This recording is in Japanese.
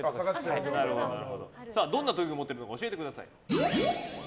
どんな特技を持っているのか教えてください。